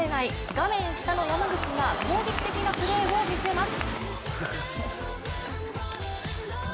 画面下の山口が攻撃的なプレーを見せます。